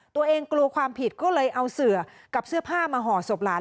ตัวเองกลัวความผิดก็เลยเอาเสือกับเสื้อผ้ามาห่อศพหลาน